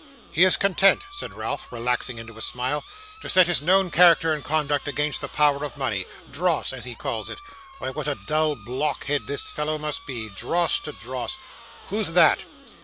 'He is content,' said Ralph, relaxing into a smile, 'to set his known character and conduct against the power of money dross, as he calls it. Why, what a dull blockhead this fellow must be! Dross to, dross! Who's that?